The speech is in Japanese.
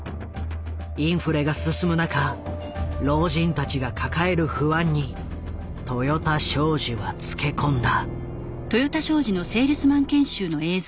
インフレが進む中老人たちが抱える不安に豊田商事はつけ込んだ。